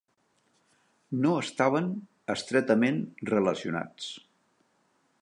No estaven estretament relacionats.